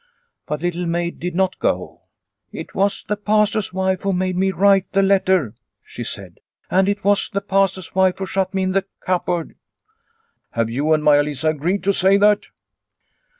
But Little Maid did not go. " It was the Pastor's wife who made me write the letter," she said. " And it was the Pastor's wife who shut me in the cupboard." " Have you and Maia Lisa agreed to say that?"